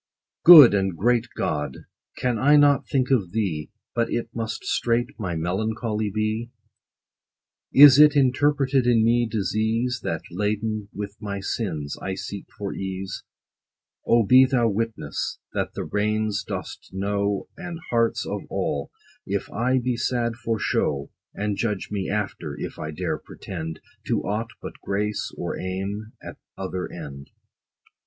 Good and great GOD ! can I not think of thee, But it must straight my melancholy be ? Is it interpreted in me disease, That, laden with my sins, I seek for ease ? O be thou witness, that the reins dost know And hearts of all, if I be sad for show ; And judge me after : if I dare pretend To aught but grace, or aim at other end.